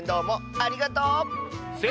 ありがとう！